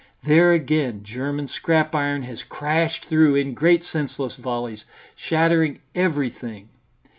There again German scrap iron has crashed through in great senseless volleys, shattering everything.